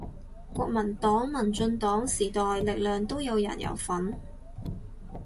國民黨民進黨時代力量都有人有份